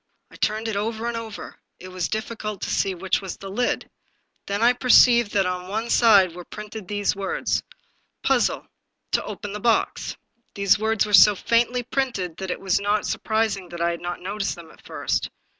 I turned it over and over ; it was difEcult to see which was the lid. Then I perceived that on one side were printed these words: TO OPEN THE BOX " The words were so faintly printed that it was not sur prising that I had not noticed them at first.